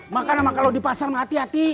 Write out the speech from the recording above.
makan emang kalo di pasar hati hati